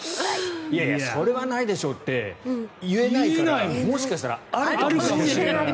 それはないでしょって言えないからもしかしたらあるかもしれない。